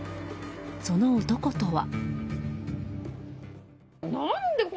その男とは。